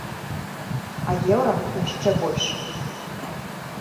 А еўра яшчэ больш.